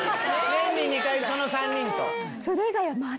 年に２回その３人と。